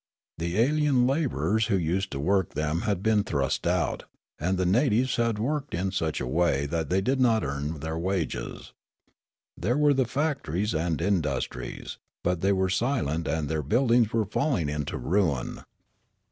The alien labourers who used to work them had been thrust out, and the natives had worked in such a way that the}' did not earn their wages. There were the factories and industries ; but they were silent and their buildings were falling into ruin.